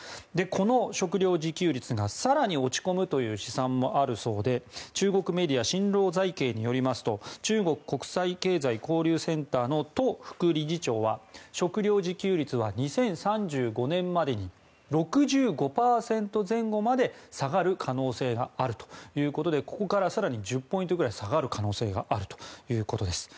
この食料自給率が更に落ち込むという試算もあるそうで中国メディア新浪財経によりますと中国国際経済交流センターのト副理事長は食料自給率は２０３５年までに６５％前後まで下がる可能性があるということでここから更に１０ポイントぐらい下がる可能性があるということです。